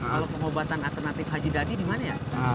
kalau pengobatan alternatif haji dadi dimana ya